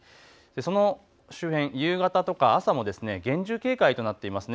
その周辺、夕方とか朝も厳重警戒となっています。